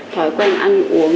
thói quen ăn uống